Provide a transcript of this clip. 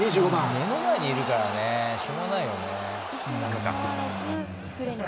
目の前にいるからしょうがないよね。